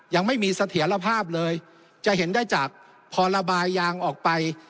ยังไม่มีเสถียรภาพเลยจะเห็นได้จากพอระบายยางออกไป